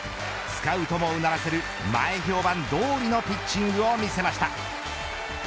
スカートをもうならせる前評判どおりのピッチングを見せました。